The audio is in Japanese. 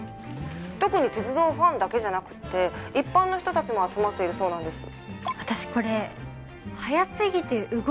特に鉄道ファンだけじゃなくって一般の人達も集まっているそうなんです私